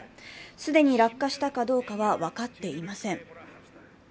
既に落下したかどうかは分かっていません。